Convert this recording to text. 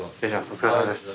お疲れさまです。